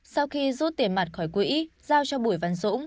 sau khi rút tiền mặt khỏi quỹ giao cho bùi văn dũng